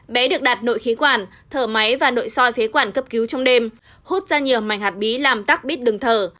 bé được đặt nội khí quản thở máy và nội soi phế quản cấp cứu trong đêm hút ra nhiều mảnh hạt bí làm tắc bít đường thở